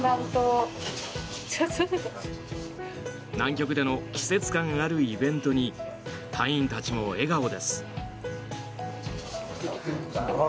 南極での季節感あるイベントに隊員たちも笑顔です。